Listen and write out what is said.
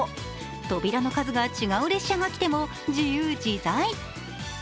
扉の数が違う列車が来ても自由自在。